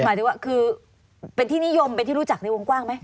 หมายถึงว่าคือเป็นที่นิยมเป็นที่รู้จักในวงกว้างไหม